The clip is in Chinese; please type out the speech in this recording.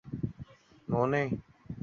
梅罗内。